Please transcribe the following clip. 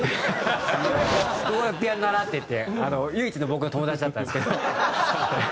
ピアノ習ってて唯一の僕の友達だったんですけど。